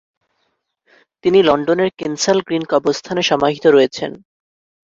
তিনি লন্ডনের Kensal green কবরস্থানে সমাহিত রয়েছেন।